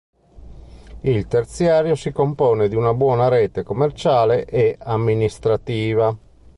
Il terziario si compone di una buona rete commerciale e amministrativa.